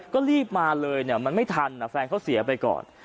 ก็รีบมาเลยเนี่ยมันไม่ทันแฟนเขาเสียไปก่อน